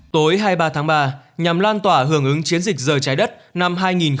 tối hai mươi ba tháng ba nhằm lan tỏa hưởng ứng chiến dịch giờ trái đất năm hai nghìn hai mươi